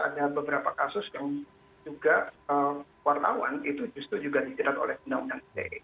ada beberapa kasus yang juga wartawan itu justru juga dijerat oleh undang undang ite